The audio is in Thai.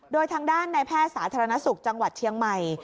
โดยทางด้านในแพทย์สาธารณสุขจังหวัดเชียงใหม่